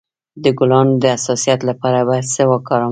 د ګلانو د حساسیت لپاره باید څه وکاروم؟